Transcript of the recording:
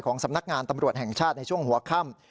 สำนักงานตำรวจแห่งชาติในช่วงหัวค่ำ